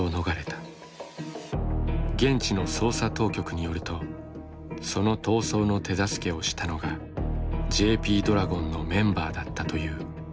現地の捜査当局によるとその逃走の手助けをしたのがＪＰドラゴンのメンバーだったという。